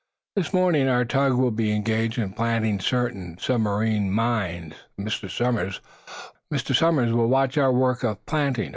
This morning our tug will be engaged in planting certain submarine mines. Mr. Somers will watch our work of planting.